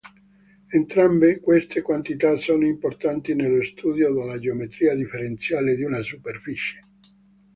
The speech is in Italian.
Entrambe queste quantità sono importanti nello studio della geometria differenziale di una superficie.